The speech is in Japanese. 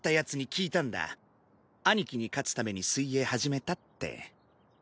兄貴に勝つために水泳始めたって。